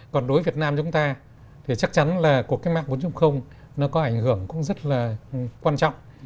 còn đối với việt nam chúng ta thì chắc chắn là cuộc cách mạng bốn nó có ảnh hưởng cũng rất là quan trọng